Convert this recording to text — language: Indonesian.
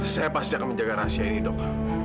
saya pasti akan menjaga rahasia ini dok